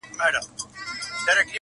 سر دي و خورم که له درده بېګانه سوم,